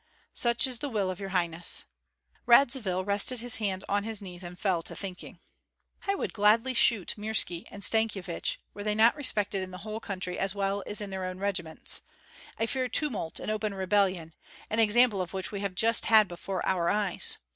"Such is the will of your highness." Radzivill rested his hands on his knees and fell to thinking. "I would gladly shoot Mirski and Stankyevich were they not respected in the whole country as well as in their own regiments. I fear tumult and open rebellion, an example of which we have just had before our eyes.